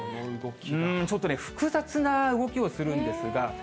ちょっとね、複雑な動きをするんですが。